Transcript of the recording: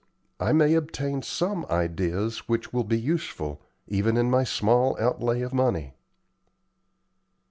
I may obtain some ideas which will be useful, even in my small outlay of money."